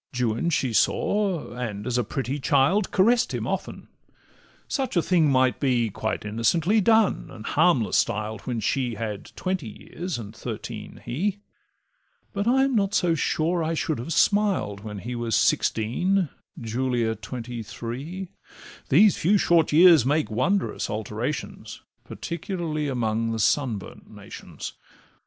Juan she saw, and, as a pretty child, Caress'd him often—such a thing might be Quite innocently done, and harmless styled, When she had twenty years, and thirteen he; But I am not so sure I should have smiled When he was sixteen, Julia twenty three; These few short years make wondrous alterations, Particularly amongst sun burnt nations.